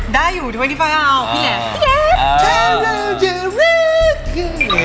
ได้อยู่๒๕แล้วพี่แหละ